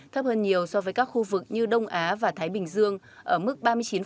thấp hơn nhiều so với các khu vực như đông á và thái bình dương ở mức ba mươi chín